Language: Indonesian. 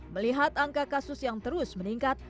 melihat angka kasus yang terus meningkat